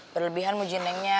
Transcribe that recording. berlebihan muji nengnya